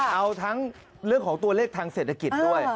เอาทั้งเรื่องของตัวเลขทางเศรษฐกิจด้วย